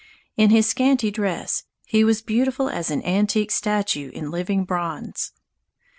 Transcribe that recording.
In his scanty dress, he was beautiful as an antique statue in living bronze.